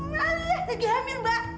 ngalah lagi hamil mbak